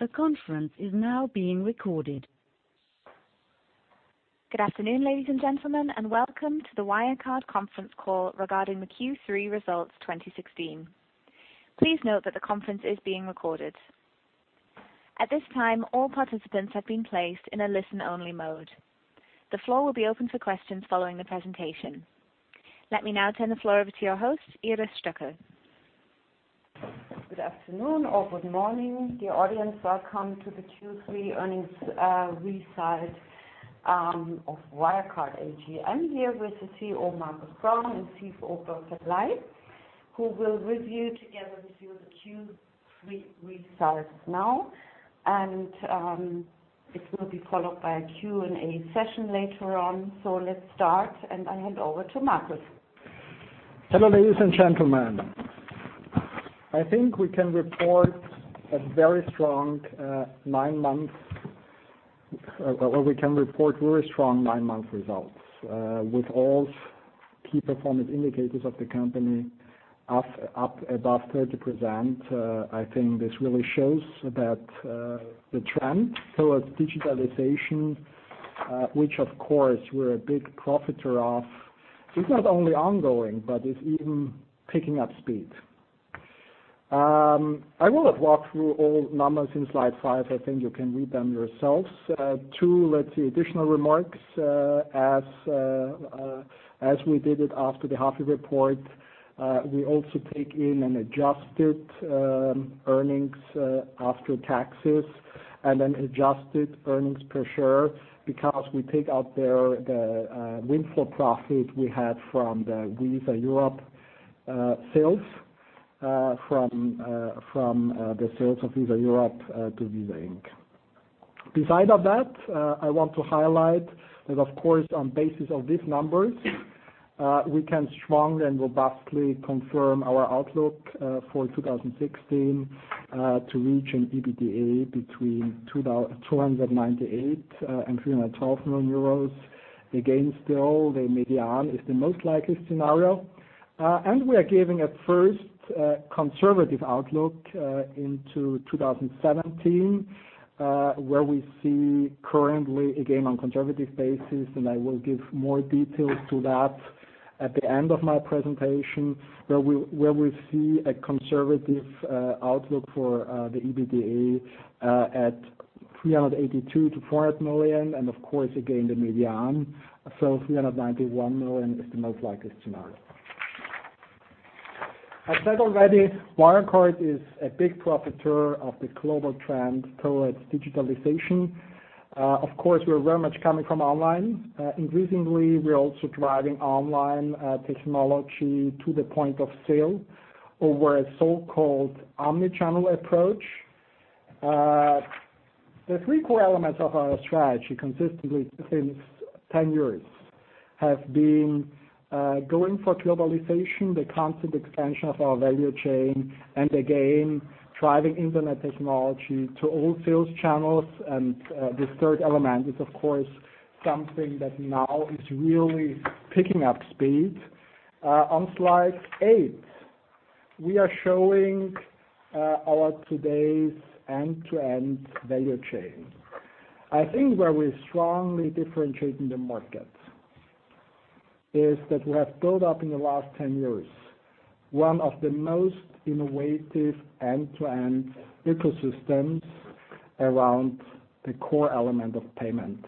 The conference is now being recorded. Good afternoon, ladies and gentlemen, and welcome to the Wirecard conference call regarding the Q3 results 2016. Please note that the conference is being recorded. At this time, all participants have been placed in a listen-only mode. The floor will be open for questions following the presentation. Let me now turn the floor over to your host, Iris Stöckl. Good afternoon or good morning, dear audience. Welcome to the Q3 earnings results of Wirecard AG. I'm here with the CEO, Markus Braun, and CFO, Dr. Ley, who will review together with you the Q3 results now, and it will be followed by a Q&A session later on. Let's start, and I hand over to Markus. Hello, ladies and gentlemen. I think we can report very strong nine-month results. With all key performance indicators of the company up above 30%, I think this really shows that the trend towards digitalization, which of course, we're a big profiter of, is not only ongoing, but is even picking up speed. I will not walk through all numbers in slide five. I think you can read them yourselves. Two, let's say, additional remarks. As we did it after the half-year report, we also take in an adjusted earnings after taxes and an adjusted earnings per share because we take out there the windfall profit we had from the Visa Europe sales, from the sales of Visa Europe to Visa Inc. Beside of that, I want to highlight that, of course, on basis of these numbers, we can strongly and robustly confirm our outlook for 2016 to reach an EBITDA between 298 million and 312 million euros. Again, still, the median is the most likely scenario. We are giving a first conservative outlook into 2017, where we see currently, again, on conservative basis, and I will give more details to that at the end of my presentation, where we see a conservative outlook for the EBITDA at 382 million to 400 million, and of course, again, the median. 391 million is the most likely scenario. I said already, Wirecard is a big profiter of the global trend towards digitalization. Of course, we are very much coming from online. Increasingly, we are also driving online technology to the point of sale over a so-called omni-channel approach. The three core elements of our strategy consistently since 10 years have been, going for globalization, the constant expansion of our value chain, and again, driving internet technology to all sales channels. This third element is, of course, something that now is really picking up speed. On slide eight, we are showing our today's end-to-end value chain. I think where we strongly differentiate in the market is that we have built up in the last 10 years one of the most innovative end-to-end ecosystems around the core element of payment.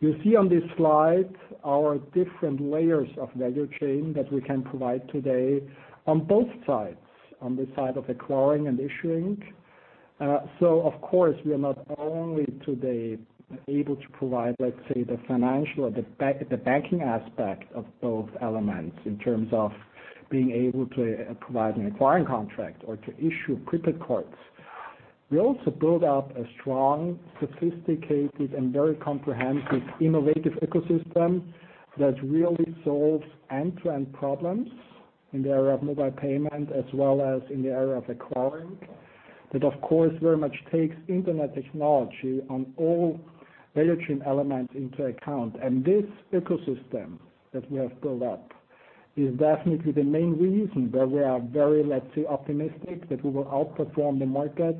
You see on this slide our different layers of value chain that we can provide today on both sides, on the side of acquiring and issuing. Of course, we are not only today able to provide, let's say, the financial or the banking aspect of both elements in terms of being able to provide an acquiring contract or to issue prepaid cards. We also build up a strong, sophisticated, and very comprehensive, innovative ecosystem that really solves end-to-end problems in the area of mobile payment, as well as in the area of acquiring. That, of course, very much takes internet technology on all value chain elements into account. This ecosystem that we have built up is definitely the main reason that we are very, let's say, optimistic that we will outperform the market,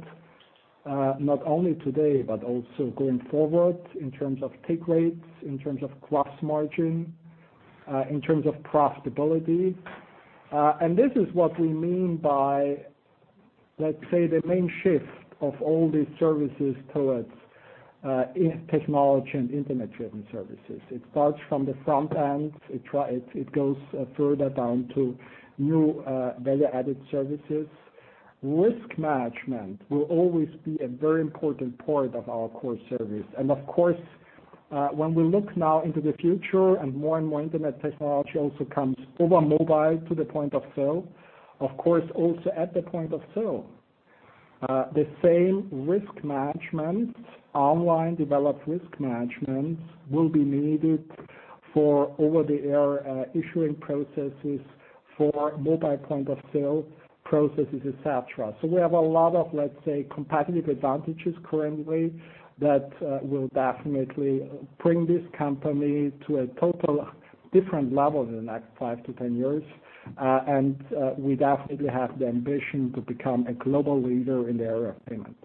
not only today, but also going forward in terms of take rates, in terms of cross margin, in terms of profitability. This is what we mean by, let's say, the main shift of all these services towards technology and internet-driven services. It starts from the front end. It goes further down to new value-added services. Risk management will always be a very important part of our core service. Of course, when we look now into the future and more and more internet technology also comes over mobile to the point of sale, of course, also at the point of sale, the same risk management, online-developed risk management, will be needed for over-the-air issuing processes, for mobile point-of-sale processes, et cetera. We have a lot of, let's say, competitive advantages currently that will definitely bring this company to a total different level in the next five to 10 years. We definitely have the ambition to become a global leader in the area of payment.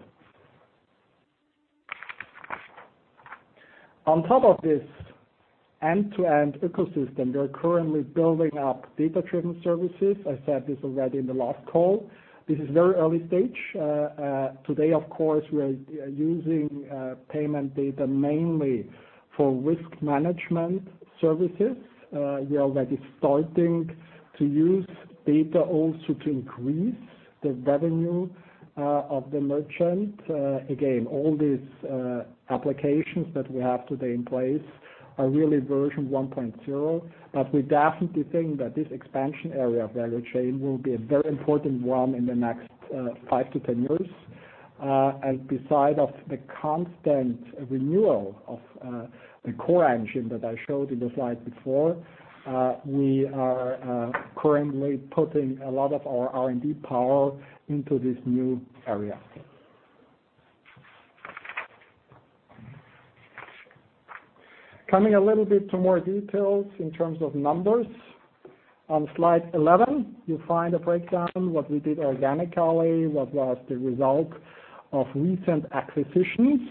On top of this end-to-end ecosystem, we are currently building up data-driven services. I said this already in the last call. This is very early stage. Today, of course, we are using payment data mainly for risk management services. We are already starting to use data also to increase the revenue of the merchant. Again, all these applications that we have today in place are really version 1.0, but we definitely think that this expansion area of value chain will be a very important one in the next 5 to 10 years. Beside of the constant renewal of the core engine that I showed in the slide before, we are currently putting a lot of our R&D power into this new area. Coming a little bit to more details in terms of numbers. On slide 11, you find a breakdown what we did organically, what was the result of recent acquisitions.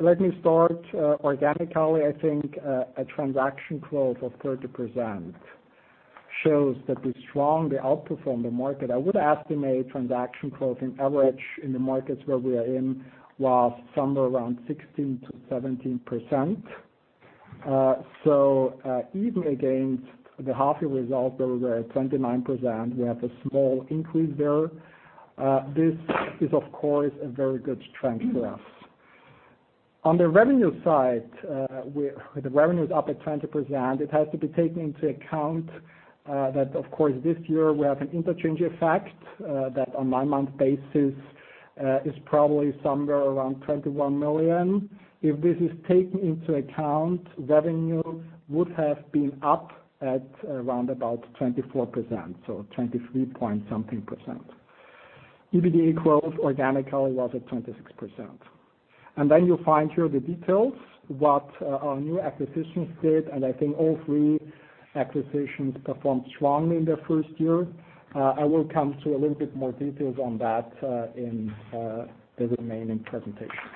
Let me start organically, I think a transaction growth of 30% shows that we strongly outperformed the market. I would estimate transaction growth in average in the markets where we are in was somewhere around 16%-17%. So even against the half-year result, where we were at 29%, we have a small increase there. This is, of course, a very good trend for us. On the revenue side, the revenue is up at 20%. It has to be taken into account that, of course, this year we have an interchange effect, that on nine-month basis, is probably somewhere around 21 million. If this is taken into account, revenue would have been up at around about 24%, so 23-point-something%. EBITDA growth organically was at 26%. Then you find here the details, what our new acquisitions did, and I think all three acquisitions performed strongly in their first year. I will come to a little bit more details on that in the remaining presentations.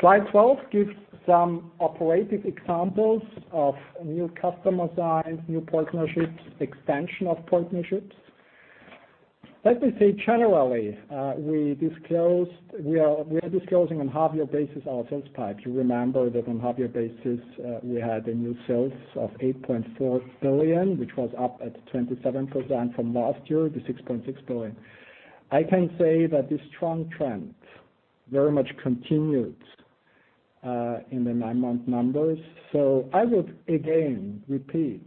Slide 12 gives some operative examples of new customer size, new partnerships, expansion of partnerships. Let me say generally, we are disclosing on half-year basis our sales pipe. You remember that on half-year basis, we had a new sales of 8.4 billion, which was up at 27% from last year, the 6.6 billion. I can say that this strong trend very much continued in the nine-month numbers. So I would again repeat,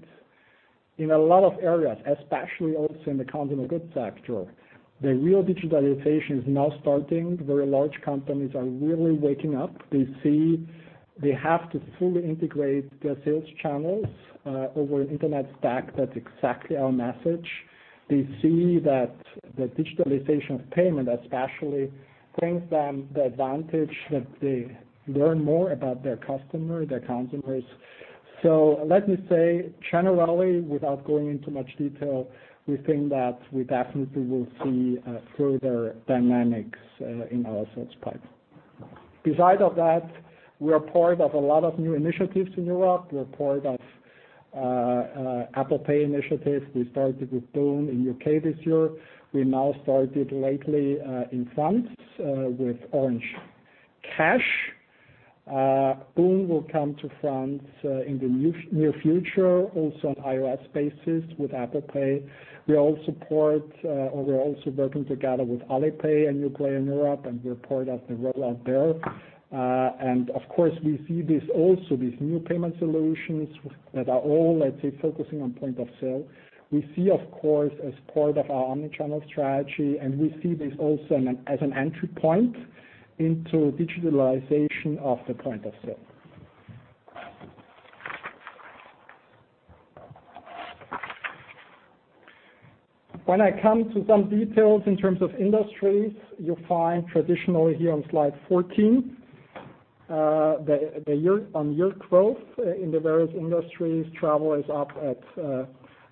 in a lot of areas, especially also in the consumer goods sector, the real digitalization is now starting. Very large companies are really waking up. They see they have to fully integrate their sales channels, over internet stack. That's exactly our message. They see that the digitalization of payment especially brings them the advantage that they learn more about their customer, their consumers. So let me say, generally, without going into much detail, we think that we definitely will see further dynamics in our sales pipe. Beside of that, we are part of a lot of new initiatives in Europe. We are part of Apple Pay initiatives. We started with boon in U.K. this year. We now started lately, in France, with Orange Cash. boon will come to France in the near future, also on iOS basis with Apple Pay. We are also working together with Alipay, a new player in Europe, and we're part of the rollout there. And of course, we see this also, these new payment solutions that are all, let's say, focusing on point of sale. We see, of course, as part of our omni-channel strategy, and we see this also as an entry point into digitalization of the point of sale. When I come to some details in terms of industries, you'll find traditionally here on slide 14, on year growth in the various industries, travel is up at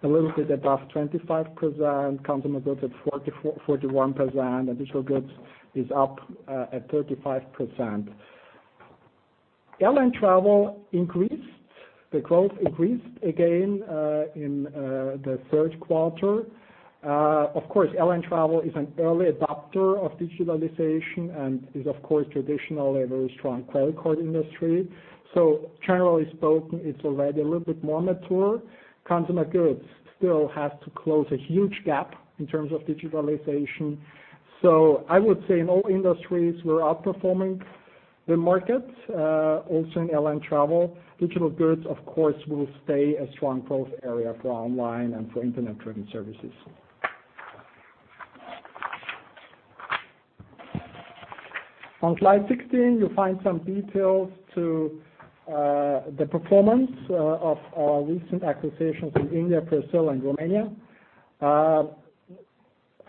a little bit above 25%, consumer goods at 41%, and digital goods is up at 35%. Airline travel increased. The growth increased again in the third quarter. Of course, airline travel is an early adopter of digitalization and is, of course, traditionally a very strong credit card industry. Generally spoken, it's already a little bit more mature. Consumer goods still has to close a huge gap in terms of digitalization. I would say in all industries, we're outperforming the market, also in airline travel. Digital goods, of course, will stay a strong growth area for online and for internet trading services. On slide 16, you'll find some details to the performance of our recent acquisitions in India, Brazil, and Romania.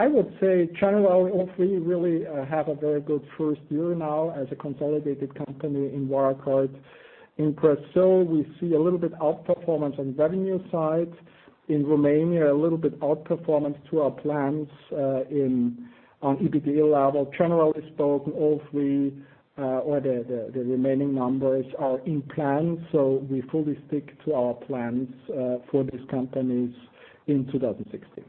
I would say generally, all three really have a very good first year now as a consolidated company in Wirecard. In Brazil, we see a little bit outperformance on the revenue side. In Romania, a little bit outperformance to our plans on EBITDA level. Generally spoken, all three, or the remaining numbers are in plan. We fully stick to our plans for these companies in 2016.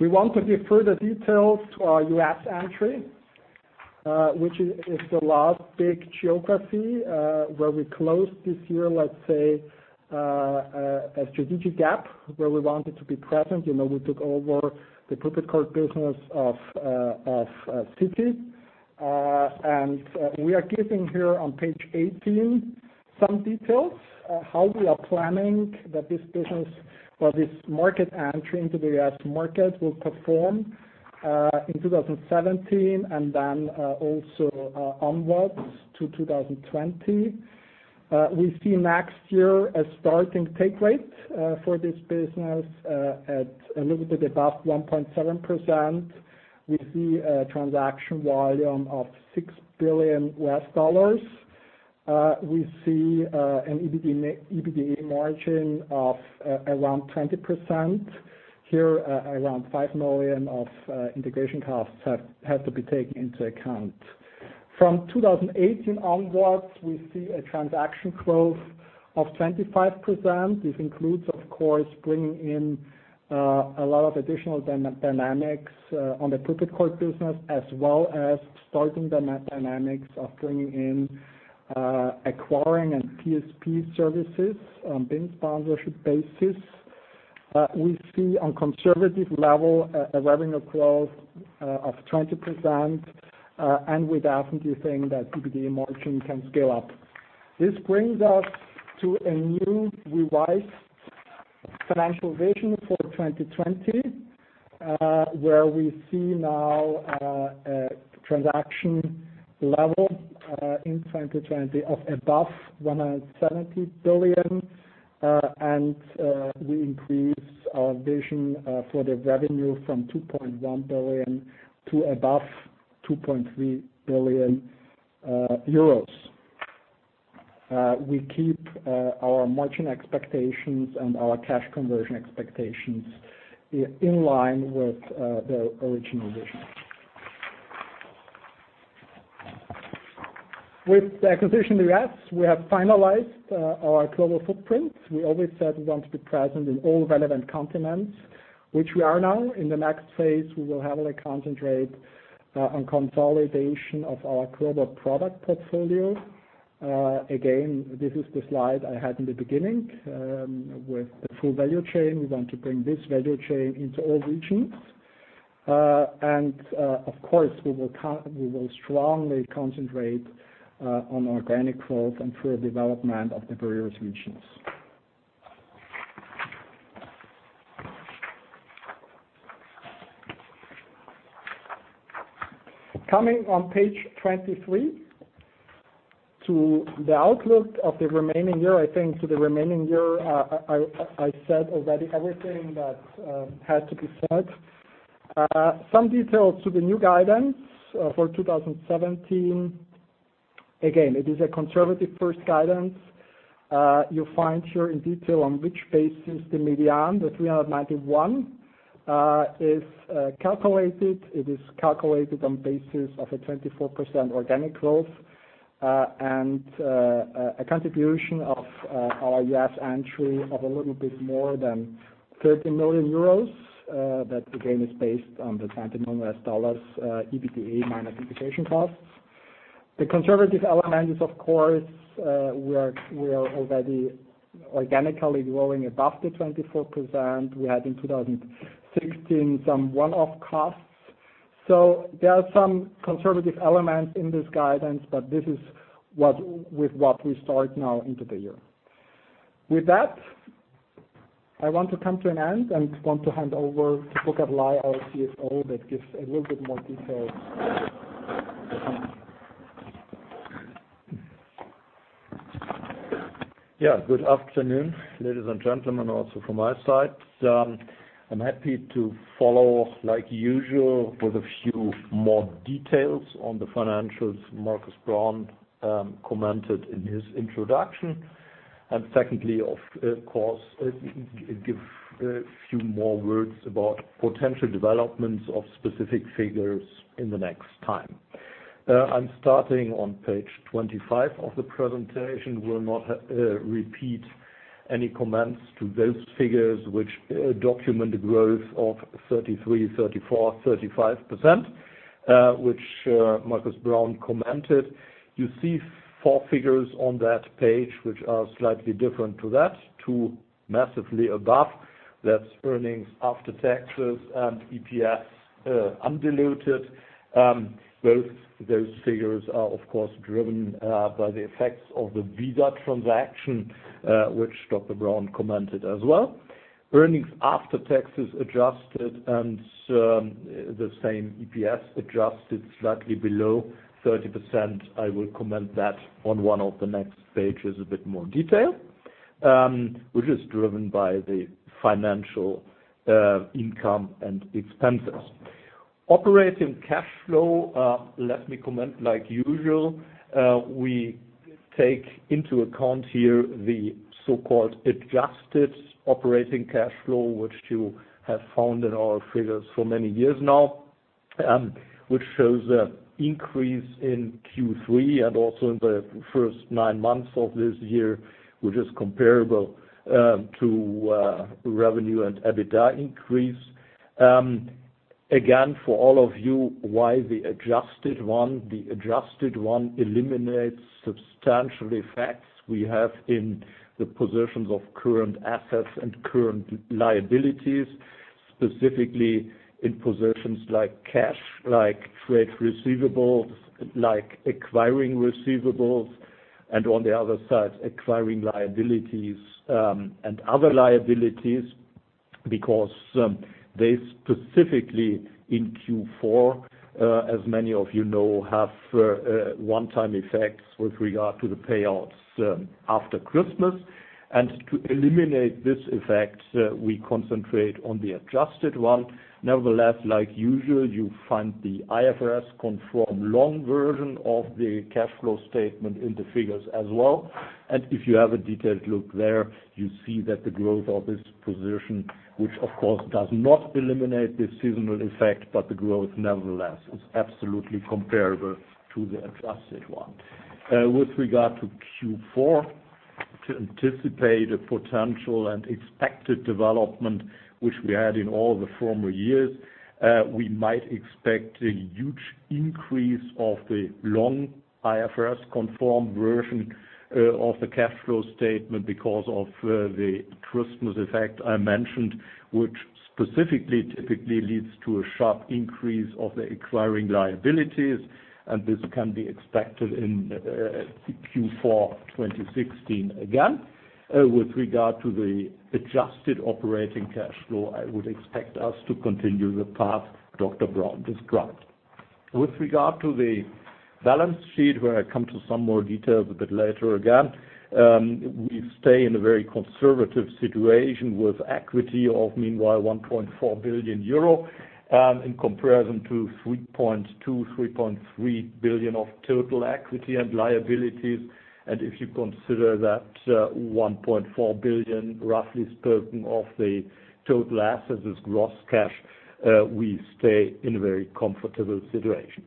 We want to give further details to our U.S. entry, which is the last big geography where we closed this year, let's say, a strategic gap where we wanted to be present. We took over the prepaid card business of Citi. We are giving here on page 18 some details, how we are planning that this business or this market entry into the U.S. market will perform, in 2017 and then also onwards to 2020. We see next year a starting take rate for this business at a little bit above 1.7%. We see a transaction volume of $6 billion. We see an EBITDA margin of around 20%. Here, around 5 million of integration costs have to be taken into account. From 2018 onwards, we see a transaction growth of 25%. This includes, of course, bringing in a lot of additional dynamics on the prepaid card business, as well as starting the net dynamics of bringing in acquiring and PSP services on BIN sponsorship basis. We see on conservative level a revenue growth of 20%, and we definitely think that EBITDA margin can scale up. This brings us to a new revised financial Vision 2020, where we see now a transaction level, in 2020, of above 170 billion. We increase our vision for the revenue from 2.1 billion to above 2.3 billion euros. We keep our margin expectations and our cash conversion expectations in line with the original vision. With the acquisition in the U.S., we have finalized our global footprint. We always said we want to be present in all relevant continents, which we are now. In the next phase, we will heavily concentrate on consolidation of our global product portfolio. Again, this is the slide I had in the beginning, with the full value chain. We want to bring this value chain into all regions. Of course, we will strongly concentrate on organic growth and further development of the various regions. Coming on page 23 to the outlook of the remaining year. I think to the remaining year, I said already everything that had to be said. Some details to the new guidance for 2017. Again, it is a conservative first guidance. You find here in detail on which basis the median, the 391, is calculated. It is calculated on basis of a 24% organic growth, and a contribution of our U.S. entry of a little bit more than 30 million euros. That, again, is based on the EUR 29 EBITDA minus integration costs. The conservative element is, of course, we are already organically growing above the 24%. We had in 2016 some one-off costs. There are some conservative elements in this guidance, but this is with what we start now into the year. With that, I want to come to an end and want to hand over to Burkhard Ley, our CFO, that gives a little bit more details. Good afternoon, ladies and gentlemen, also from my side. I am happy to follow, like usual, with a few more details on the financials Markus Braun commented in his introduction. Secondly, of course, give a few more words about potential developments of specific figures in the next time. I am starting on page 25 of the presentation. Will not repeat any comments to those figures which document the growth of 33%, 34%, 35%, which Markus Braun commented. You see four figures on that page which are slightly different to that, two massively above. That is earnings after taxes and EPS undiluted. Both those figures are, of course, driven by the effects of the Visa transaction, which Dr. Braun commented as well. Earnings after taxes adjusted and the same EPS adjusted slightly below 30%, I will comment that on one of the next pages a bit more detail, which is driven by the financial income and expenses. Operating cash flow. Let me comment like usual. We take into account here the so-called adjusted operating cash flow, which you have found in our figures for many years now, which shows an increase in Q3 and also in the first nine months of this year, which is comparable to revenue and EBITDA increase. Again, for all of you, why the adjusted one? The adjusted one eliminates substantial effects we have in the positions of current assets and current liabilities, specifically in positions like cash, like trade receivables, like acquiring receivables, and on the other side, acquiring liabilities, and other liabilities, because they specifically in Q4, as many of you know, have one-time effects with regard to the payouts after Christmas. To eliminate this effect, we concentrate on the adjusted one. Nevertheless, like usual, you find the IFRS-conformed long version of the cash flow statement in the figures as well. If you have a detailed look there, you see that the growth of this position, which of course does not eliminate the seasonal effect, but the growth nevertheless is absolutely comparable to the adjusted one. With regard to Q4, to anticipate a potential and expected development which we had in all the former years, we might expect a huge increase of the long IFRS-conformed version of the cash flow statement because of the Christmas effect I mentioned, which specifically typically leads to a sharp increase of the acquiring liabilities, and this can be expected in Q4 2016 again. With regard to the adjusted operating cash flow, I would expect us to continue the path Dr. Braun described. With regard to the balance sheet, where I come to some more details a bit later again, we stay in a very conservative situation with equity of meanwhile 1.4 billion euro in comparison to 3.2 billion-3.3 billion of total equity and liabilities. If you consider that 1.4 billion, roughly spoken, of the total assets is gross cash, we stay in a very comfortable situation.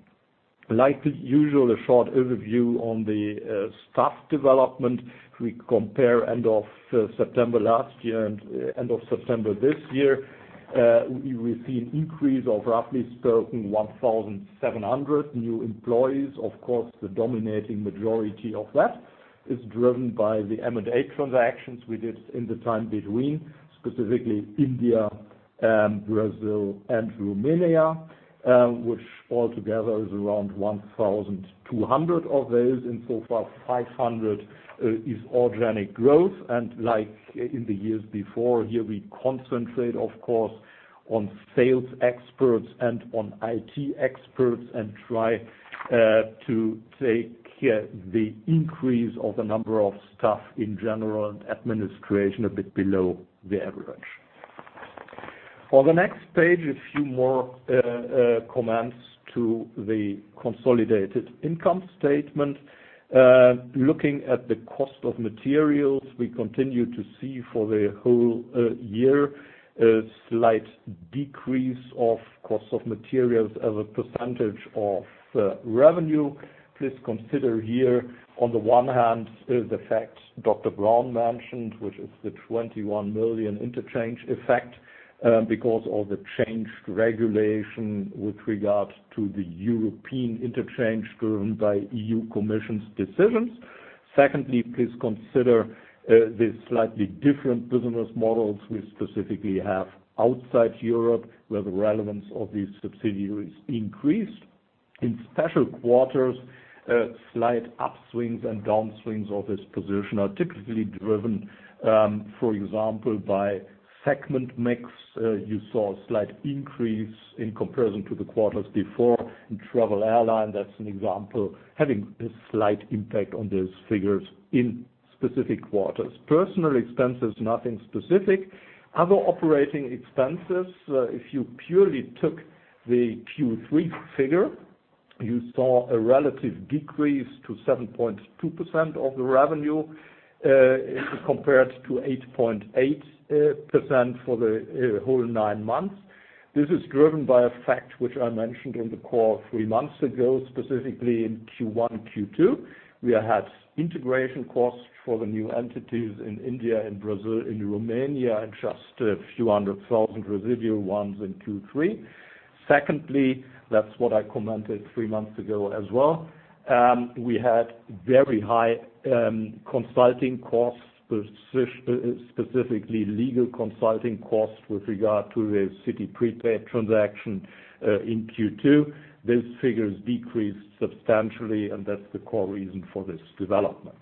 Like usual, a short overview on the staff development. We compare end of September last year and end of September this year. We see an increase of roughly spoken 1,700 new employees. Of course, the dominating majority of that is driven by the M&A transactions we did in the time between, specifically India, Brazil, and Romania, which altogether is around 1,200 of those. So far, 500 is organic growth. Like in the years before, here we concentrate, of course, on sales experts and on IT experts and try to take the increase of the number of staff in general and administration a bit below the average. On the next page, a few more comments to the consolidated income statement. Looking at the cost of materials, we continue to see for the whole year a slight decrease of cost of materials as a percentage of revenue. Please consider here, on the one hand, the fact Dr. Braun mentioned, which is the 21 million interchange effect because of the changed regulation with regards to the European interchange driven by EU Commission's decisions. Secondly, please consider the slightly different business models we specifically have outside Europe, where the relevance of these subsidiaries increased. In special quarters, slight upswings and downswings of this position are typically driven, for example, by segment mix. You saw a slight increase in comparison to the quarters before in Travel & Airline. That's an example, having a slight impact on those figures in specific quarters. Personnel expenses, nothing specific. Other operating expenses, if you purely took the Q3 figure, you saw a relative decrease to 7.2% of the revenue compared to 8.8% for the whole nine months. This is driven by a fact which I mentioned on the call three months ago, specifically in Q1, Q2. We had integration costs for the new entities in India and Brazil, in Romania, and just a few hundred thousand residual ones in Q3. Secondly, that's what I commented three months ago as well. We had very high consulting costs, specifically legal consulting costs with regard to the Citi Prepaid transaction in Q2. These figures decreased substantially, and that's the core reason for this development.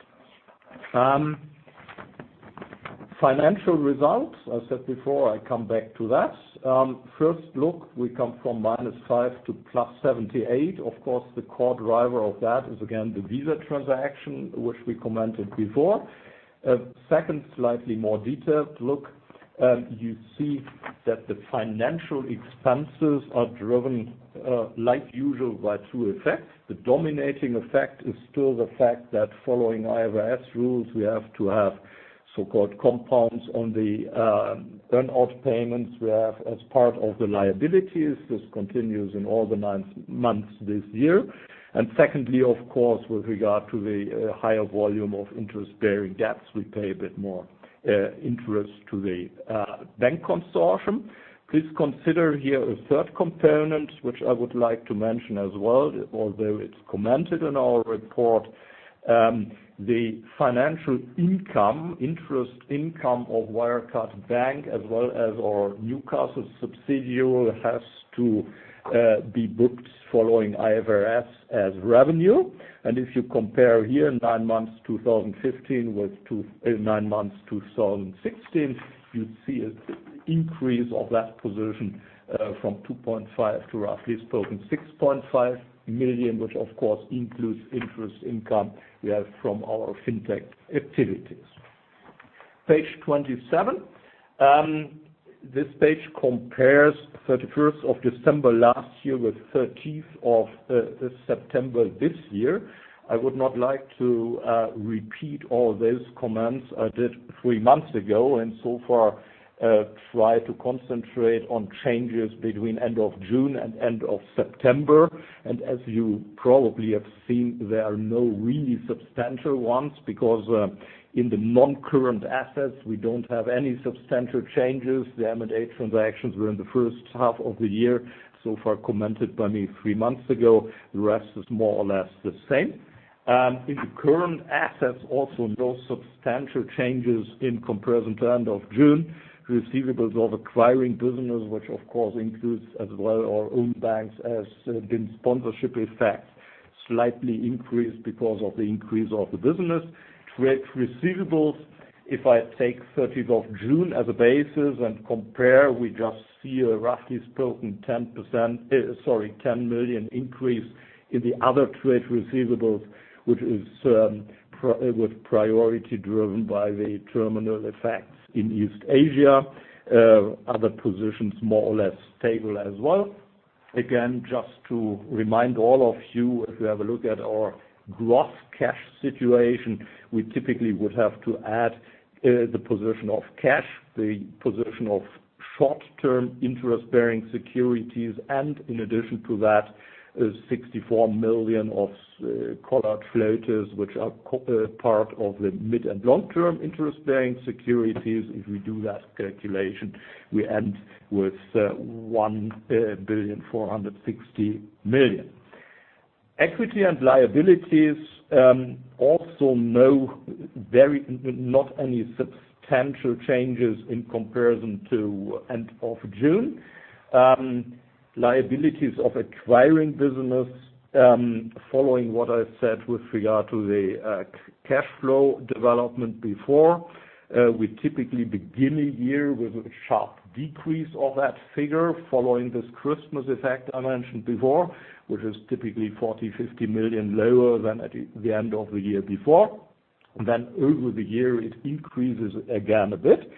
Financial results. I said before I come back to that. First look, we come from -5 to +78. Of course, the core driver of that is, again, the Visa transaction, which we commented before. Second, slightly more detailed look. You see that the financial expenses are driven like usual by two effects. The dominating effect is still the fact that following IFRS rules, we have to have so-called compounds on the earn-out payments we have as part of the liabilities. This continues in all the nine months this year. Secondly, of course, with regard to the higher volume of interest-bearing debts, we pay a bit more interest to the bank consortium. Please consider here a third component, which I would like to mention as well, although it's commented on our report. The financial income, interest income of Wirecard Bank as well as our Newcastle subsidiary has to be booked following IFRS as revenue. If you compare here nine months 2015 with nine months 2016, you see an increase of that position from 2.5 million to roughly spoken 6.5 million, which, of course, includes interest income we have from our fintech activities. Page 27. This page compares 31st of December last year with 30th of September this year. I would not like to repeat all those comments I did three months ago, and so far try to concentrate on changes between end of June and end of September. As you probably have seen, there are no really substantial ones because in the non-current assets, we don't have any substantial changes. The M&A transactions were in the first half of the year, so far commented by me three months ago. The rest is more or less the same. In the current assets, also no substantial changes in comparison to end of June. Receivables of acquiring businesses, which of course includes as well our own banks as BIN sponsorship effects, slightly increased because of the increase of the business. Trade receivables, if I take 30th of June as a basis and compare, we just see a roughly spoken 10 million increase in the other trade receivables, which is with priority driven by the terminal effects in East Asia. Other positions, more or less stable as well. Again, just to remind all of you, if you have a look at our gross cash situation, we typically would have to add the position of cash, the position of short-term interest-bearing securities. In addition to that, 64 million of callable floaters, which are part of the mid and long-term interest-bearing securities. If we do that calculation, we end with 1,460,000,000. Equity and liabilities, also not any substantial changes in comparison to end of June. Liabilities of acquiring businesses, following what I said with regard to the cash flow development before. We typically begin a year with a sharp decrease of that figure following this Christmas effect I mentioned before, which is typically 40 million, 50 million lower than at the end of the year before. Over the year, it increases again a bit.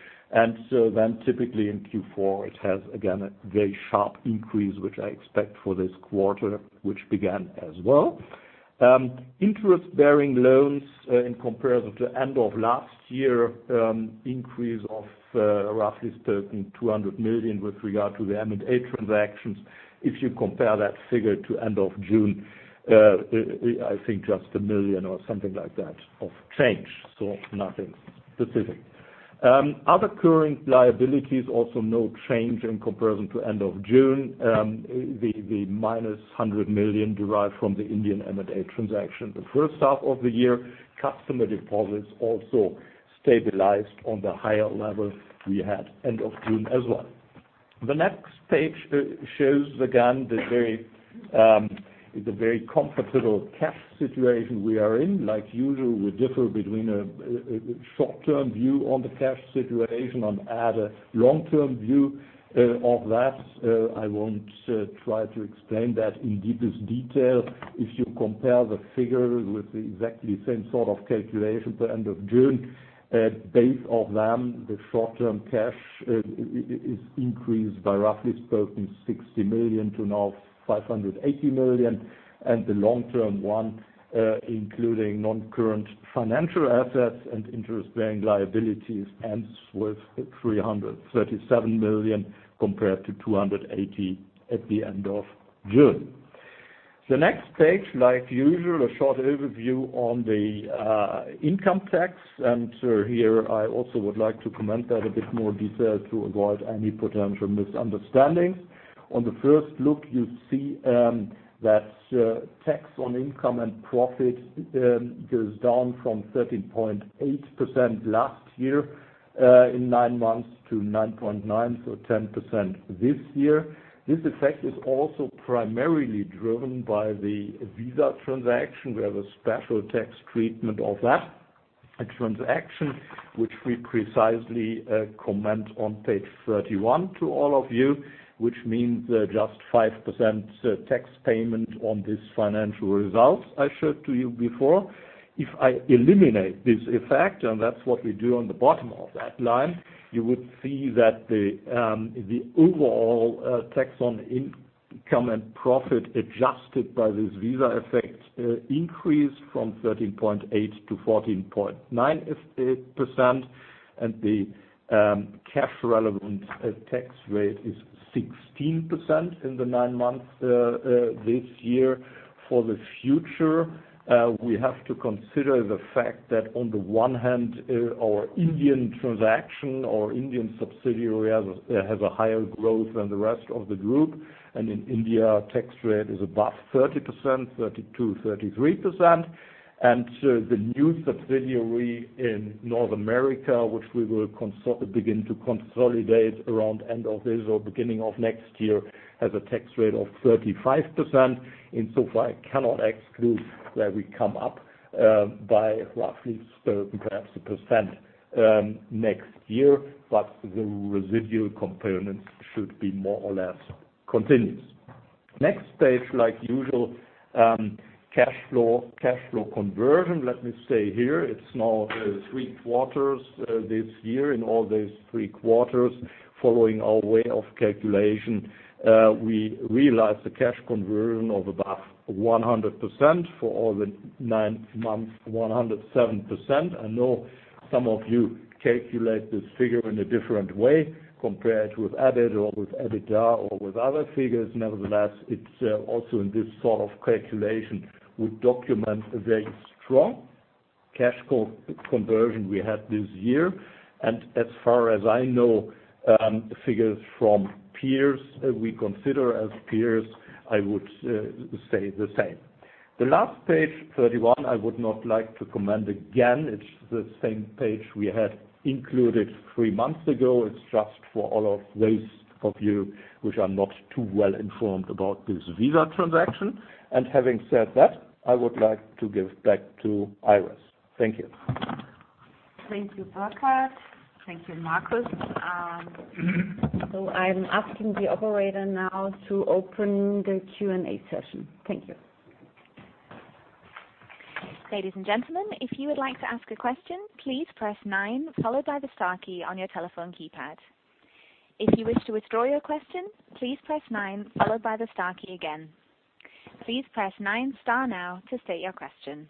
Typically in Q4, it has again a very sharp increase, which I expect for this quarter, which began as well. Interest-bearing loans in comparison to end of last year, increase of roughly spoken 200 million with regard to the M&A transactions. If you compare that figure to end of June, I think just 1 million or something like that of change. Nothing specific. Other current liabilities also no change in comparison to end of June. The -100 million derived from the Indian M&A transaction. The first half of the year, customer deposits also stabilized on the higher level we had end of June as well. Next page shows again the very comfortable cash situation we are in. We differ between a short-term view on the cash situation and add a long-term view of that. I won't try to explain that in deepest detail. If you compare the figure with the exactly same sort of calculation to end of June, base of them, the short-term cash is increased by roughly spoken 60 million to now 580 million. The long-term one including non-current financial assets and interest-bearing liabilities ends with 337 million compared to 280 million at the end of June. Next page, like usual, a short overview on the income tax. Here I also would like to comment that a bit more detail to avoid any potential misunderstandings. On the first look, you see that tax on income and profit goes down from 13.8% last year in nine months to 9.9%, so 10% this year. This effect is also primarily driven by the Visa transaction. We have a special tax treatment of that. A transaction which we precisely comment on page 31 to all of you, which means just 5% tax payment on this financial result I showed to you before. If I eliminate this effect, and that's what we do on the bottom of that line, you would see that the overall tax on income and profit adjusted by this Visa effect increased from 13.8% to 14.9%, and the cash relevant tax rate is 16% in the nine months this year. For the future, we have to consider the fact that on the one hand, our Indian transaction or Indian subsidiary has a higher growth than the rest of the group. In India, tax rate is above 30%, 32%-33%. The new subsidiary in North America, which we will begin to consolidate around end of this or beginning of next year, has a tax rate of 35%. In so far, I cannot exclude that we come up by roughly perhaps a percent next year. The residual components should be more or less continuous. Next page, like usual, cash flow conversion. Let me say here, it's now three quarters this year. In all these three quarters, following our way of calculation, we realized a cash conversion of above 100% for all the nine months, 107%. I know some of you calculate this figure in a different way compared with EBIT or with EBITDA or with other figures. Nevertheless, it's also in this sort of calculation would document a very strong cash conversion we had this year. As far as I know, figures from peers we consider as peers, I would say the same. The last page 31, I would not like to comment again. It's the same page we had included three months ago. It's just for all of those of you which are not too well informed about this Visa transaction. Having said that, I would like to give back to Iris. Thank you. Thank you, Burkhard. Thank you, Markus. I'm asking the operator now to open the Q&A session. Thank you. Ladies and gentlemen, if you would like to ask a question, please press nine, followed by the star key on your telephone keypad. If you wish to withdraw your question, please press nine followed by the star key again. Please press nine star now to state your question.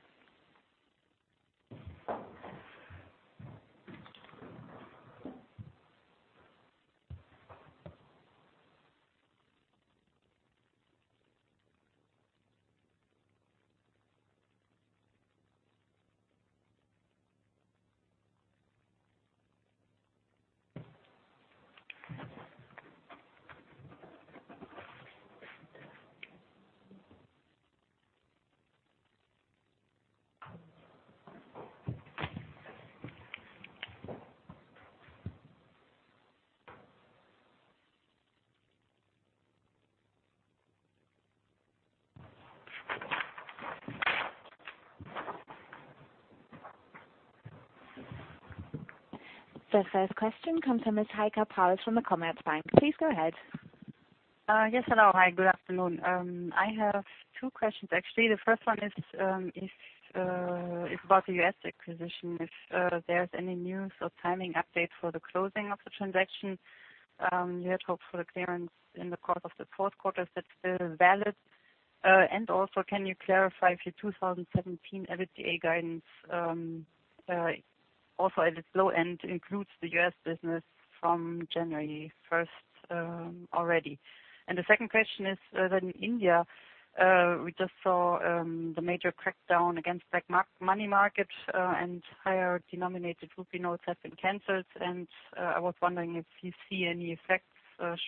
The first question comes from Ms. Heike Pauls from Commerzbank. Please go ahead. Yes. Hello. Hi, good afternoon. I have two questions actually. The first one is about the U.S. acquisition, if there's any news or timing update for the closing of the transaction. You had hoped for clearance in the course of the fourth quarter. Is that still valid? Can you clarify if your 2017 EBITDA guidance also at its low end includes the U.S. business from January 1st already. The second question is in India we just saw the major crackdown against black market money market and higher denominated rupee notes have been canceled. I was wondering if you see any effects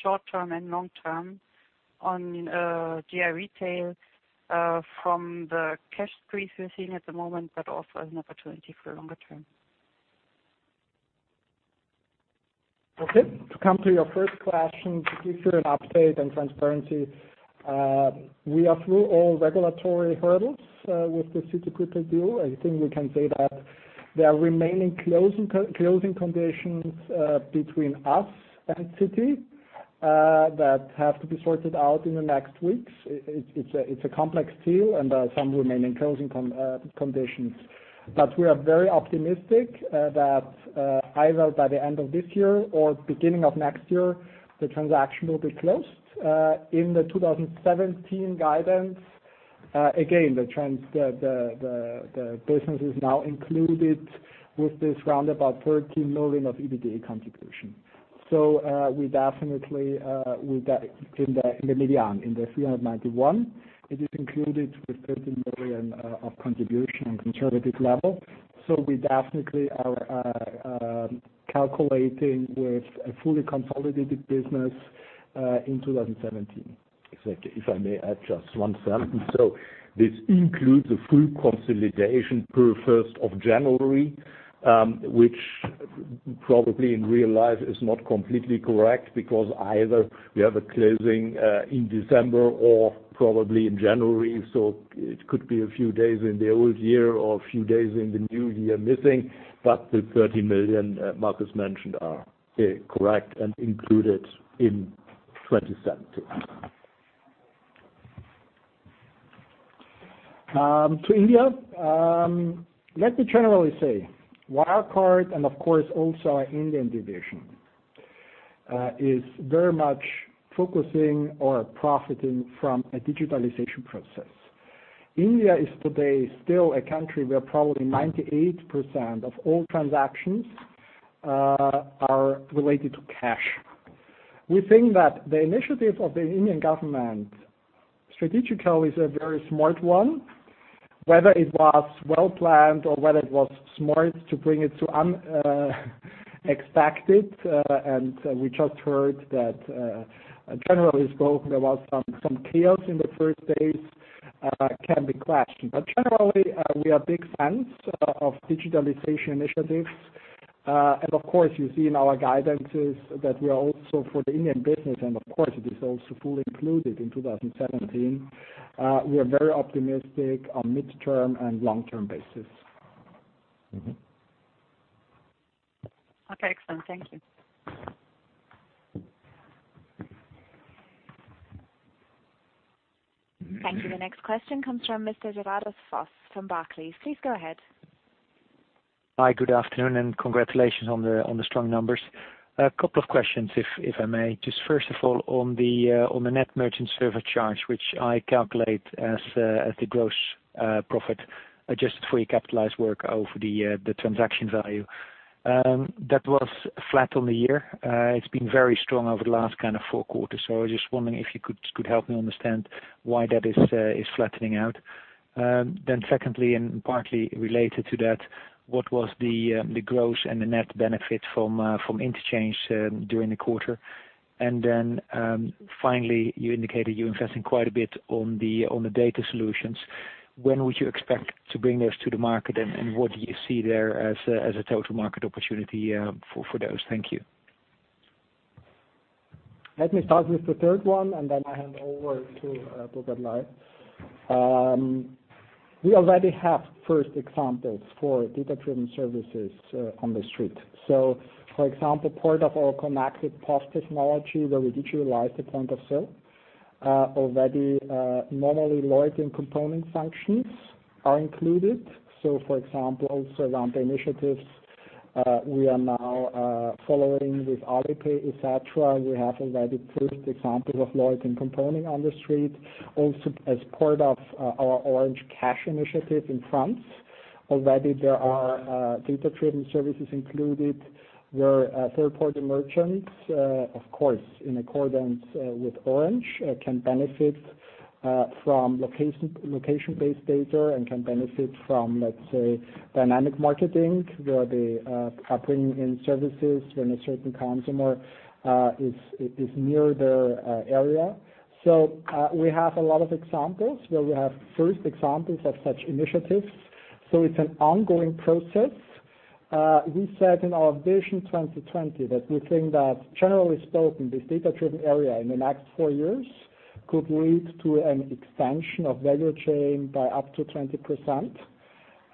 short-term and long-term on GI Retail from the cash freeze we're seeing at the moment, but also as an opportunity for longer term. To come to your first question, to give you an update and transparency, we are through all regulatory hurdles with the Citigroup deal. I think we can say that there are remaining closing conditions between us and Citi that have to be sorted out in the next weeks. It's a complex deal and some remaining closing conditions. We are very optimistic that either by the end of this year or beginning of next year, the transaction will be closed. In the 2017 guidance again, the business is now included with this round about 13 million of EBITDA contribution. We definitely in the median, in the 391 million, it is included with 13 million of contribution on conservative level. We definitely are calculating with a fully consolidated business in 2017. Exactly. If I may add just one sentence. This includes a full consolidation per 1st of January which probably in real life it's not completely correct because either we have a closing in December or probably in January, so it could be a few days in the old year or a few days in the new year missing. The 30 million Markus mentioned are correct and included in 2017. To India. Let me generally say, Wirecard and of course also our Indian division, is very much focusing or profiting from a digitalization process. India is today still a country where probably 98% of all transactions are related to cash. We think that the initiative of the Indian government strategically is a very smart one. Whether it was well-planned or whether it was smart to bring it to unexpected, and we just heard that generally spoken, there was some chaos in the first days, can be questioned. Generally, we are big fans of digitalization initiatives. Of course, you see in our guidances that we are also for the Indian business and of course it is also fully included in 2017. We are very optimistic on mid-term and long-term basis. Okay, excellent. Thank you. Thank you. The next question comes from Mr. Gerardus Vos from Barclays. Please go ahead. Hi, good afternoon and congratulations on the strong numbers. A couple of questions, if I may. First of all, on the net merchant service charge, which I calculate as the gross profit adjusted for your capitalized work over the transaction value. That was flat on the year. It's been very strong over the last four quarters. I was just wondering if you could help me understand why that is flattening out. Secondly, and partly related to that, what was the gross and the net benefit from interchange during the quarter? Finally, you indicated you're investing quite a bit on the data solutions. When would you expect to bring those to the market, and what do you see there as a total market opportunity for those? Thank you. Let me start with the third one, and then I hand over to Burkhard Ley. We already have first examples for data-driven services on the street. For example, part of our connected POS technology where we digitalize the point of sale. Already, normally, loyalty and component functions are included. For example, also around the initiatives, we are now following with Alipay, et cetera. We have already proved examples of loyalty and component on the street. Also, as part of our Orange Cash initiative in France. Already there are data-driven services included where third-party merchants, of course, in accordance with Orange, can benefit from location-based data and can benefit from, let's say, dynamic marketing, where they are bringing in services when a certain consumer is near their area. We have a lot of examples where we have first examples of such initiatives. It's an ongoing process. We said in our Vision 2020 that we think that generally spoken, this data-driven area in the next 4 years could lead to an expansion of value chain by up to 20%.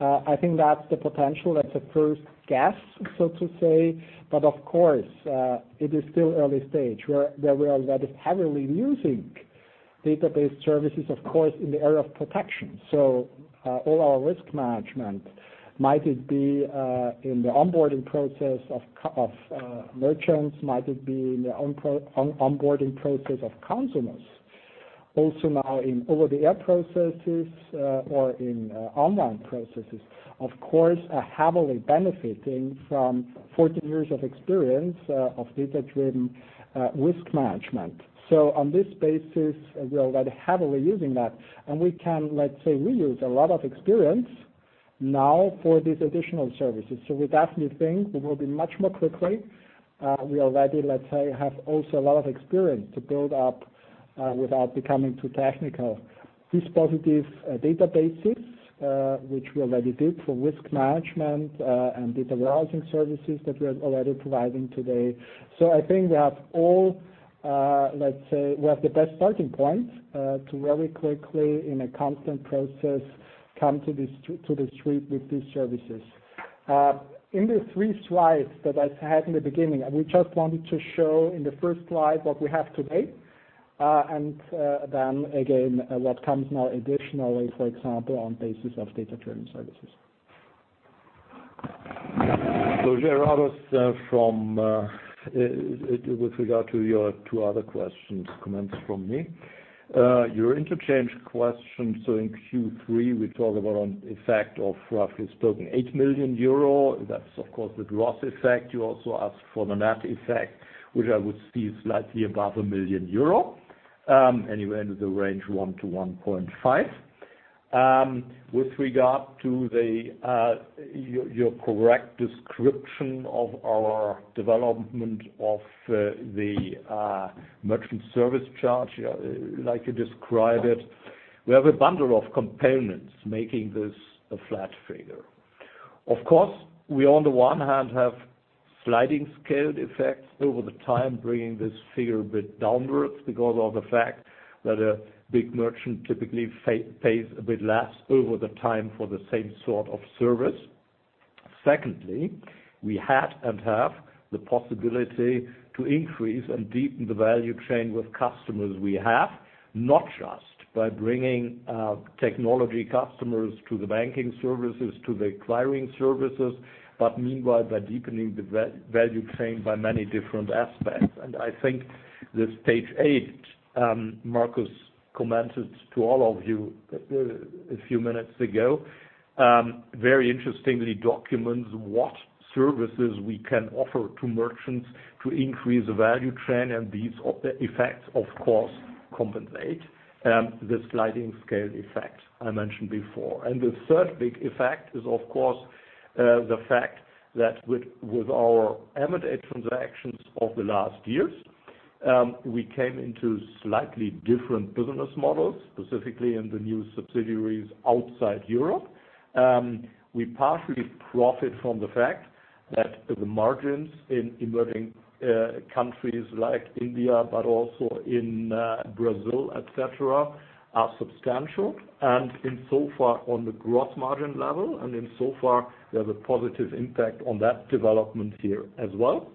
I think that's the potential, that's a first guess, so to say. But of course, it is still early stage. Where we are already heavily using data-driven services, of course, in the area of protection. All our risk management, might it be in the onboarding process of merchants, might it be in the onboarding process of consumers. Also now in over-the-air processes or in online processes, of course, are heavily benefiting from 14 years of experience of data-driven risk management. On this basis, we are already heavily using that. And we can, let's say, reuse a lot of experience now for these additional services. We definitely think we will be much more quickly. We already, let's say, have also a lot of experience to build up, without becoming too technical, distributed databases, which we already did for risk management, and data warehousing services that we are already providing today. I think we have the best starting point to very quickly, in a constant process, come to the street with these services. In the three slides that I had in the beginning, we just wanted to show in the first slide what we have today, and then again, what comes now additionally, for example, on basis of data-driven services. Gerardus, with regard to your two other questions, comments from me. Your interchange question, in Q3, we talk about an effect of roughly spoken, 8 million euro. That's of course the gross effect. You also asked for the net effect, which I would see slightly above 1 million euro. Anyway, in the range 1-1.5. With regard to your correct description of our development of the merchant service charge, like you described it. We have a bundle of components making this a flat figure. Of course, we on the one hand have sliding scale effects over the time bringing this figure a bit downwards because of the fact that a big merchant typically pays a bit less over the time for the same sort of service. Secondly, we had and have the possibility to increase and deepen the value chain with customers we have, not just by bringing technology customers to the banking services, to the acquiring services, but meanwhile by deepening the value chain by many different aspects. I think this page eight, Markus commented to all of you a few minutes ago, very interestingly documents what services we can offer to merchants to increase the value chain and these effects, of course, compensate the sliding scale effect I mentioned before. The third big effect is, of course, the fact that with our M&A transactions of the last years, we came into slightly different business models, specifically in the new subsidiaries outside Europe. We partially profit from the fact that the margins in emerging countries like India, but also in Brazil, et cetera, are substantial, and insofar on the gross margin level, and insofar we have a positive impact on that development here as well.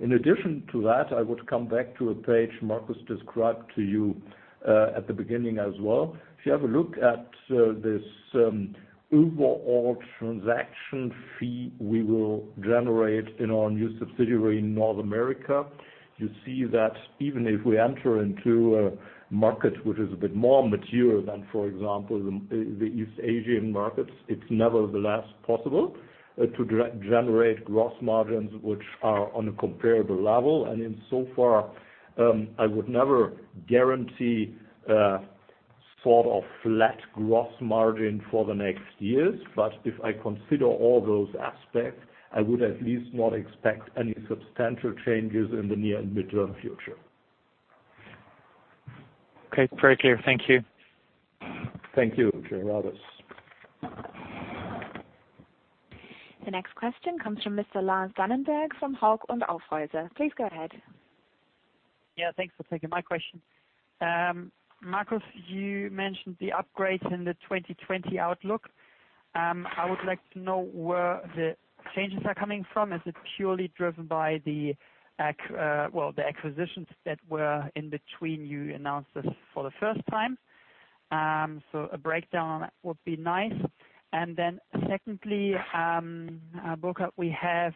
In addition to that, I would come back to a page Markus described to you at the beginning as well. If you have a look at this overall transaction fee we will generate in our new subsidiary in North America, you see that even if we enter into a market which is a bit more mature than, for example, the East Asian markets, it's nevertheless possible to generate gross margins which are on a comparable level. Insofar, I would never guarantee sort of flat gross margin for the next years, but if I consider all those aspects, I would at least not expect any substantial changes in the near and midterm future. Okay. Very clear. Thank you. Thank you, Gerardo. The next question comes from Mr. Lars Dannenberg from Hauck & Aufhäuser. Please go ahead. Yeah. Thanks for taking my question. Markus, you mentioned the upgrades in the 2020 outlook. I would like to know where the changes are coming from. Is it purely driven by the acquisitions that were in between you announced this for the first time? A breakdown on that would be nice. Secondly, Burkhard, we have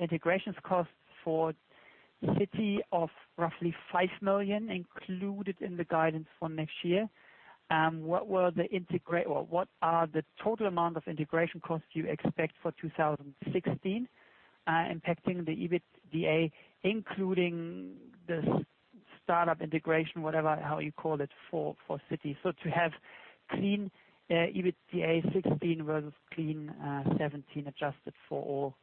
integrations costs for Citi of roughly 5 million included in the guidance for next year. What are the total amount of integration costs you expect for 2016 impacting the EBITDA, including the startup integration, whatever, how you call it, for Citi? To have clean EBITDA 2016 versus clean 2017 adjusted for all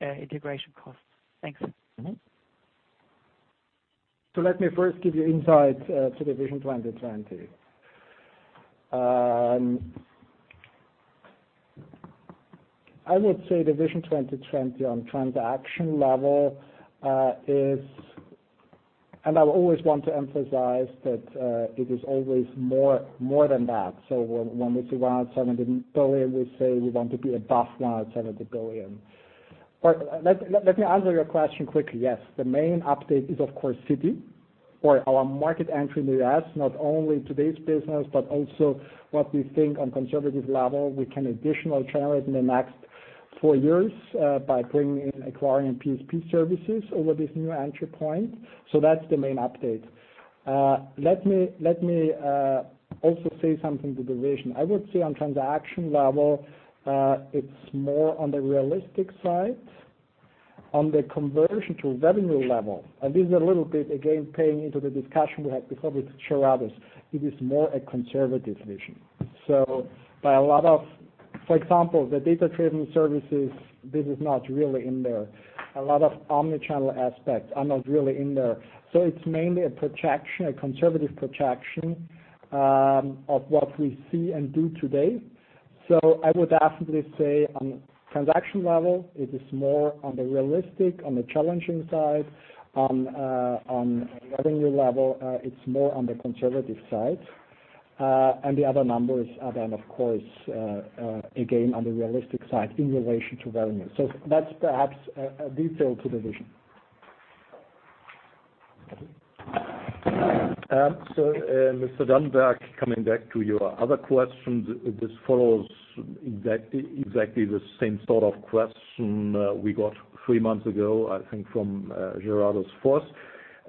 integration costs. Thanks. Let me first give you insight to the Vision 2020. I would say the Vision 2020 on transaction level is, and I always want to emphasize that it is always more than that. When we say 170 billion, we say we want to be above 170 billion. But let me answer your question quickly. Yes, the main update is of course, Citi, or our market entry in the U.S., not only today's business, but also what we think on conservative level we can additional generate in the next four years by bringing in acquiring PSP services over this new entry point. That's the main update. Let me also say something to the vision. I would say on transaction level, it's more on the realistic side. On the conversion to revenue level, and this is a little bit, again, playing into the discussion we had before with Gerardo. It is more a conservative vision. By a lot of, for example, the data treatment services, this is not really in there. A lot of omni-channel aspects are not really in there. It's mainly a projection, a conservative projection of what we see and do today. I would absolutely say on transaction level, it is more on the realistic, on the challenging side. On revenue level, it's more on the conservative side. The other numbers are then, of course, again, on the realistic side in relation to revenue. That's perhaps a detail to the vision. Mr. Dannenberg, coming back to your other questions, this follows exactly the same sort of question we got three months ago, I think, from Gerardus Vos.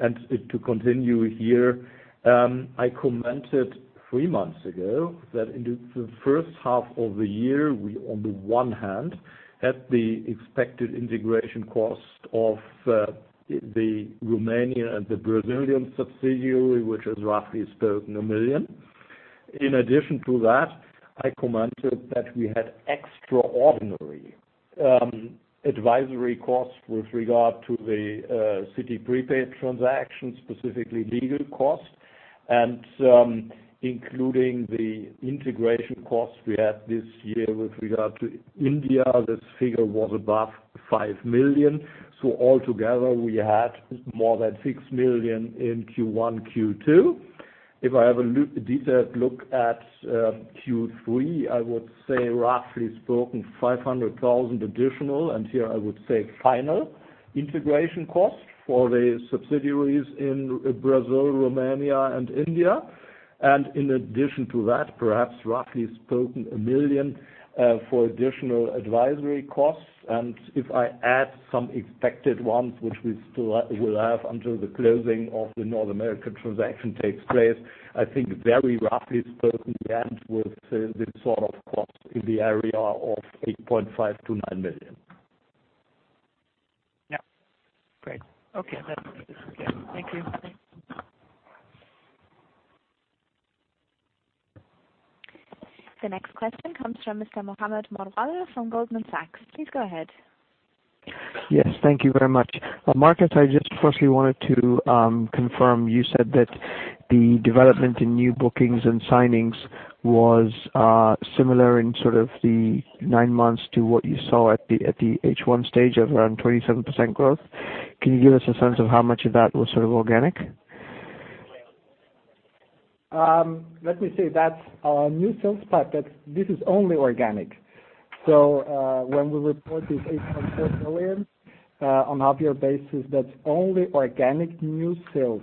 To continue here, I commented three months ago that in the first half of the year, we on the one hand had the expected integration cost of the Romanian and the Brazilian subsidiary, which is roughly spoken 1 million. In addition to that, I commented that we had extraordinary advisory costs with regard to the Citi Prepaid transaction, specifically legal costs. Including the integration costs we had this year with regard to India, this figure was above 5 million. All together, we had more than 6 million in Q1, Q2. If I have a detailed look at Q3, I would say roughly spoken, 500,000 additional, and here I would say final integration cost for the subsidiaries in Brazil, Romania and India. In addition to that, perhaps roughly spoken, 1 million for additional advisory costs. If I add some expected ones, which we still will have until the closing of the North American transaction takes place, I think very roughly spoken, we end with this sort of cost in the area of 8.5 million-9 million. Yeah. Great. Okay, that's clear. Thank you. The next question comes from Mr. Mohammed Moawalla from Goldman Sachs. Please go ahead. Yes, thank you very much. Markus, I just firstly wanted to confirm, you said that the development in new bookings and signings was similar in sort of the nine months to what you saw at the H1 stage of around 27% growth. Can you give us a sense of how much of that was sort of organic? Let me see. That's our new sales pipe. This is only organic. When we report this 8.4 billion on half year basis, that's only organic new sales.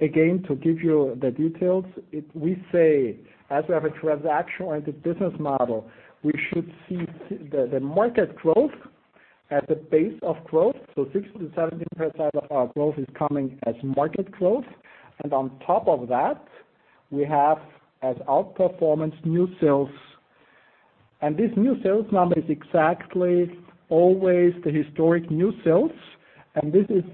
Again, to give you the details, we say as we have a transaction-oriented business model, we should see the market growth as the base of growth. 60% to 70% of our growth is coming as market growth. On top of that, we have as out-performance new sales. This new sales number is exactly always the historic new sales. This is,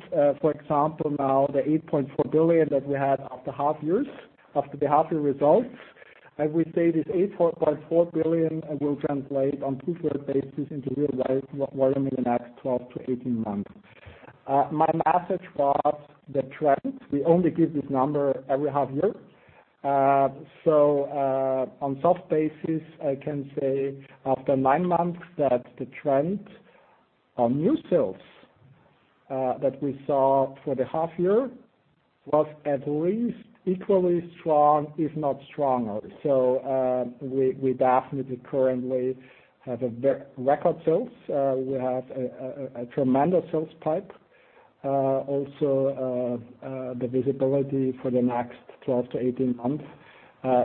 for example, now the 8.4 billion that we had after the half year results. We say, this 8.4 billion will translate on full year basis into real volume in the next 12 to 18 months. My message was the trend. We only give this number every half year. On soft basis, I can say after nine months that the trend on new sales that we saw for the half year was at least equally strong, if not stronger. We definitely currently have record sales. We have a tremendous sales pipe. Also, the visibility for the next 12 to 18 months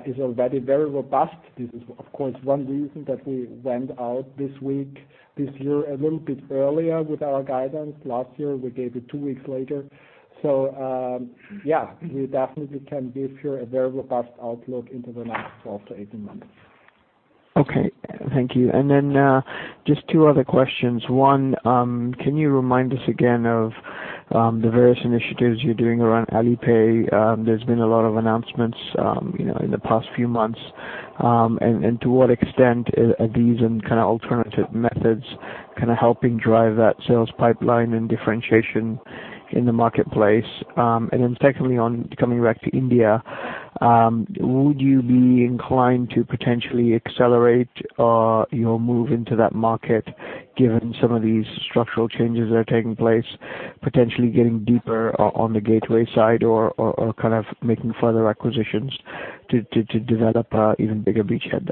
is already very robust. This is of course, one reason that we went out this week, this year, a little bit earlier with our guidance. Last year, we gave it two weeks later. Yeah, we definitely can give here a very robust outlook into the next 12 to 18 months. Okay. Thank you. Just two other questions. One, can you remind us again of the various initiatives you're doing around Alipay? There's been a lot of announcements in the past few months. To what extent are these and kind of alternative methods helping drive that sales pipeline and differentiation in the marketplace? Secondly, on coming back to India, would you be inclined to potentially accelerate your move into that market, given some of these structural changes that are taking place, potentially getting deeper on the gateway side or kind of making further acquisitions to develop a even bigger beachhead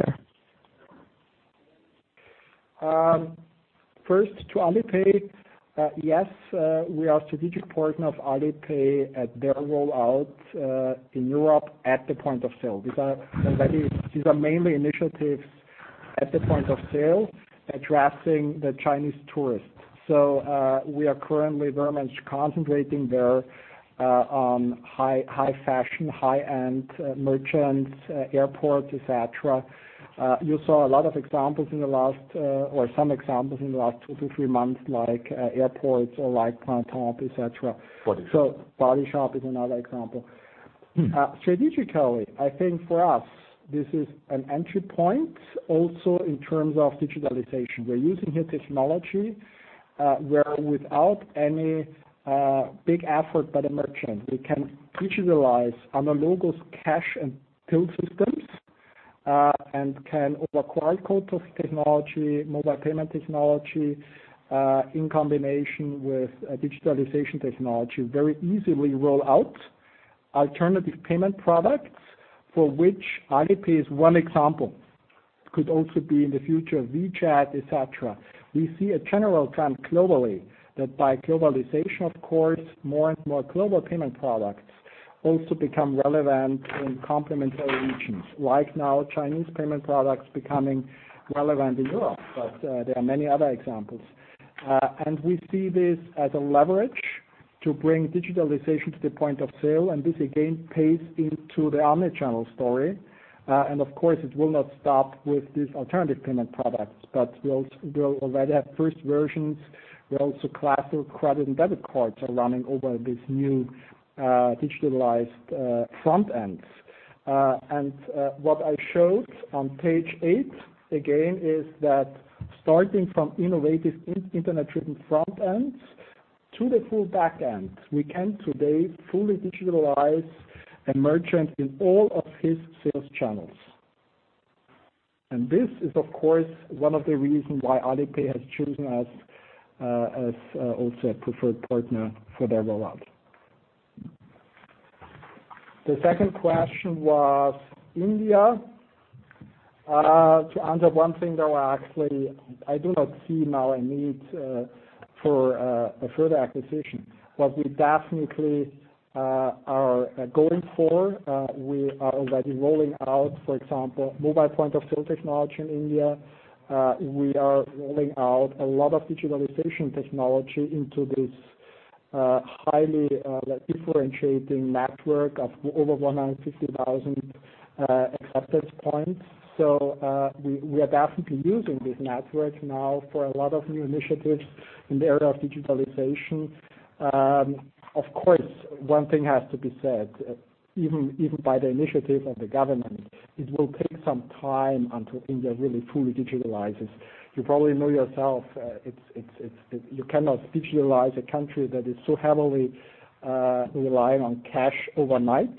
there? First to Alipay. Yes, we are a strategic partner of Alipay at their rollout in Europe at the point of sale. These are mainly initiatives at the point of sale addressing the Chinese tourists. We are currently very much concentrating there on high fashion, high-end merchants, airports, et cetera. You saw a lot of examples in the last, or some examples in the last two to three months, like airports or like Planet, et cetera. Body Shop. Body Shop is another example. Strategically, I think for us, this is an entry point also in terms of digitalization. We're using new technology where without any big effort by the merchant, we can digitalize on a legacy cash and billing systems, and QR code technology, mobile payment technology, in combination with digitalization technology, very easily roll out alternative payment products for which Alipay is one example. It could also be in the future, WeChat, et cetera. We see a general trend globally that by globalization, of course, more and more global payment products also become relevant in complementary regions. Like now Chinese payment products becoming relevant in Europe. There are many other examples. We see this as a leverage to bring digitalization to the point of sale, and this again plays into the omni-channel story. Of course, it will not stop with these alternative payment products, but we already have first versions where also classic credit and debit cards are running over these new digitalized front ends. What I showed on page eight, again, is that starting from innovative internet-driven front ends to the full back end, we can today fully digitalize a merchant in all of his sales channels. This is, of course, one of the reasons why Alipay has chosen us as also a preferred partner for their rollout. The second question was India. To answer one thing, though, actually, I do not see now a need for a further acquisition. What we definitely are going for, we are already rolling out, for example, mobile point-of-sale technology in India. We are rolling out a lot of digitalization technology into this highly differentiating network of over 150,000 acceptance points. We are definitely using this network now for a lot of new initiatives in the area of digitalization. Of course, one thing has to be said, even by the initiative of the government, it will take some time until India really fully digitalizes. You probably know yourself, you cannot digitalize a country that is so heavily relying on cash overnight.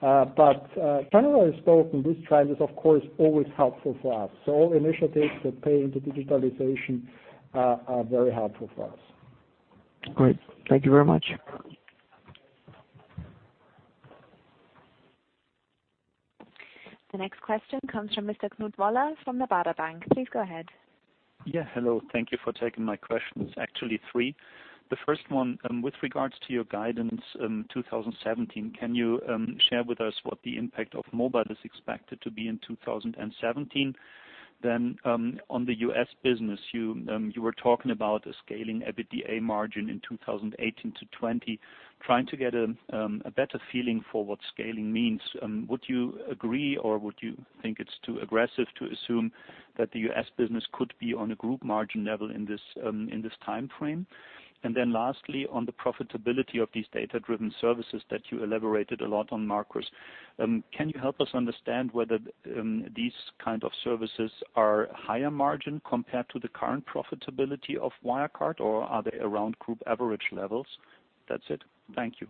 Generally spoken, this trend is, of course, always helpful for us. Initiatives that pay into digitalization are very helpful for us. Great. Thank you very much. The next question comes from Mr. Knut Woller from the Baader Bank. Please go ahead. Yeah, hello. Thank you for taking my questions, actually three. The first one, with regards to your guidance in 2017, can you share with us what the impact of mobile is expected to be in 2017? On the U.S. business, you were talking about a scaling EBITDA margin in 2018 to 2020. Trying to get a better feeling for what scaling means, would you agree, or would you think it's too aggressive to assume that the U.S. business could be on a group margin level in this timeframe? Lastly, on the profitability of these data-driven services that you elaborated a lot on, Markus. Can you help us understand whether these kind of services are higher margin compared to the current profitability of Wirecard, or are they around group average levels? That's it. Thank you.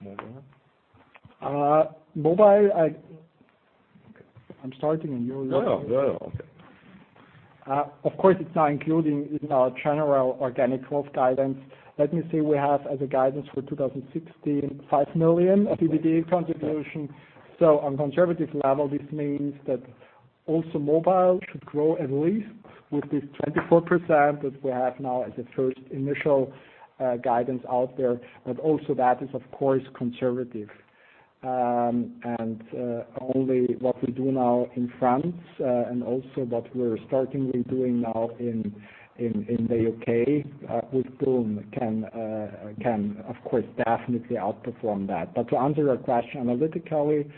Mobile. I'm starting. No. Okay. Of course, it's now included in our general organic growth guidance. We have as a guidance for 2016, 5 million EBITDA contribution. On conservative level, this means that also mobile should grow at least with this 24% that we have now as a first initial guidance out there. That is, of course, conservative. Only what we do now in France, and also what we are starting with doing now in the U.K. with boon can, of course, definitely outperform that. To answer your question analytically,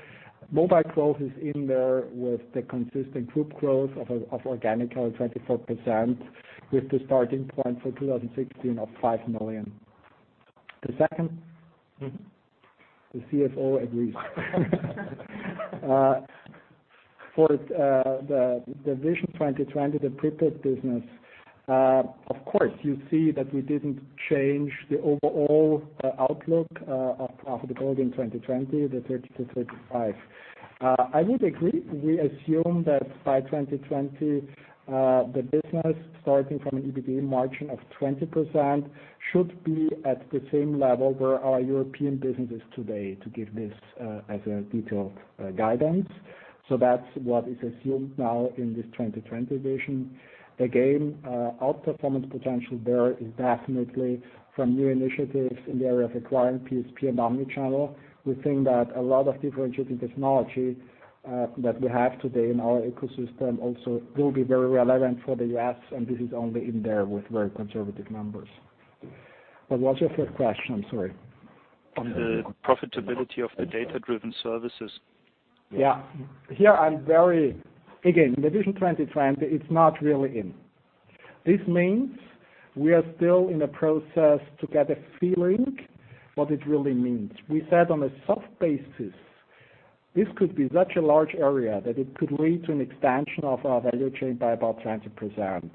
mobile growth is in there with the consistent group growth of organic, at 24%, with the starting point for 2016 of 5 million. The second? The CFO agrees. For the Vision 2020, the prepaid business, of course, you see that we did not change the overall outlook of profitability in 2020, the 30%-35%. I would agree, we assume that by 2020, the business starting from an EBITDA margin of 20% should be at the same level where our European business is today, to give this as a detailed guidance. That is what is assumed now in this 2020 Vision. Again, outperformance potential there is definitely from new initiatives in the area of acquiring PSP and omni-channel. We think that a lot of differentiating technology that we have today in our ecosystem also will be very relevant for the U.S., and this is only in there with very conservative numbers. What was your third question? I am sorry. On the profitability of the data-driven services. Yeah. Here I am very, again, the Vision 2020, it is not really in. This means we are still in a process to get a feeling what it really means. We said on a soft basis, this could be such a large area that it could lead to an expansion of our value chain by about 20%.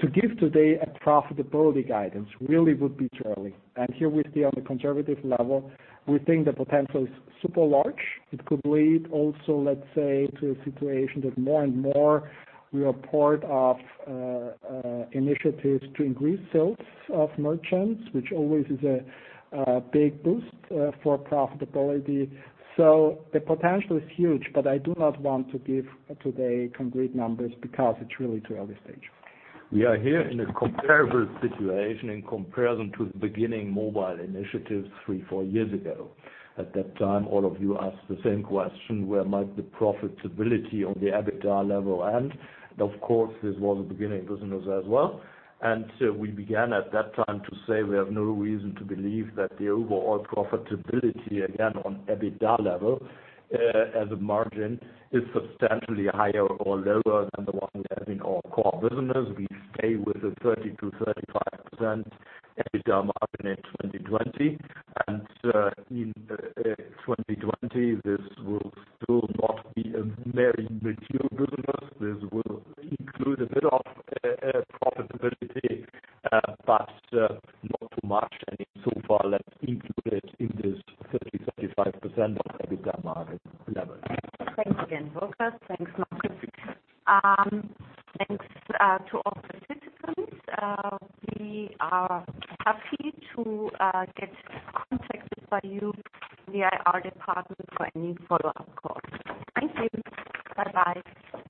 To give today a profitability guidance really would be too early, and here we stay on the conservative level. We think the potential is super large. It could lead also, let us say, to a situation that more and more we are part of initiatives to increase sales of merchants, which always is a big boost for profitability. The potential is huge, but I do not want to give today concrete numbers because it is really too early stage. We are here in a comparable situation in comparison to the beginning mobile initiatives three, four years ago. At that time, all of you asked the same question, where might the profitability on the EBITDA level end? Of course, this was a beginning business as well. We began at that time to say we have no reason to believe that the overall profitability, again, on EBITDA level, as a margin, is substantially higher or lower than the one we have in our core business. We stay with a 30%-35% EBITDA margin in 2020. In 2020, this will still not be a very material business. This will include a bit of profitability, but not too much. So far, let's include it in this 30%, 35% of EBITDA margin level. Thanks again, Burkhard. Thanks, Markus. Thanks to all participants. We are happy to get contacted by you via our department for any follow-up call. Thank you. Bye-bye.